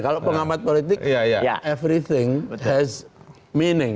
kalau pengamat politik everything is meaning